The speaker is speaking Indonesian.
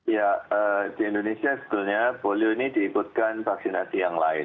ya di indonesia sebetulnya polio ini diikutkan vaksinasi yang lain